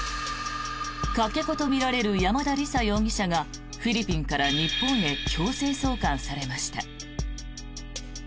かけ子とみられる山田李沙容疑者がフィリピンから日本へ強制送還されました。